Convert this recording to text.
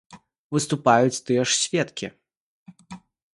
Выступаюць тыя ж сведкі.